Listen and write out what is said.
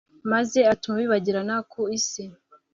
maze atuma bibagirana ku isi